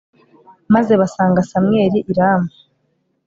maze basanga samweli i rama